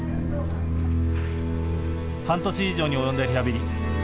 半年以上に及んだリハビリ。